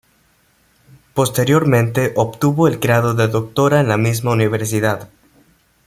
Posteriormente obtuvo el grado de doctora en la misma universidad.